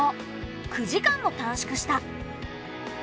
９時間も短縮した。